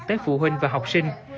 tới phụ huynh và học sinh